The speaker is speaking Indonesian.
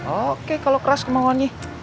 oke kalo keras kemauannya